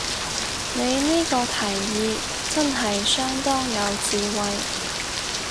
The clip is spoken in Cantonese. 你呢個提議真係相當有智慧